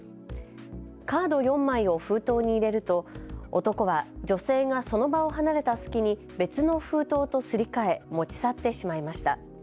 カード４枚を封筒に入れると男は女性がその場を離れた隙に別の封筒とすり替え持ち去ってしまいました。